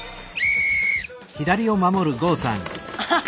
アハハハ！